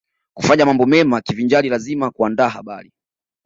Kufanya mambo mema kivinjari lazima kuandaa habari